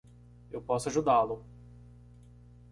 Eu posso ajudá-lo!